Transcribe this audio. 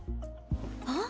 あっ！